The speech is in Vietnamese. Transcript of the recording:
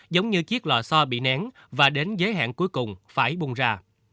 giống như chiếc lò xo bị nén và đến giới hạn cuối cùng phải buông ra